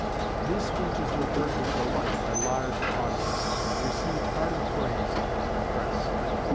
These speeches were heard with delight by large audiences, and received hearty praise from the press.